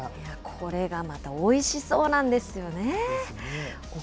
これがまたおいしそうなんですよね。